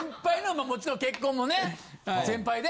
もちろん結婚もね先輩で。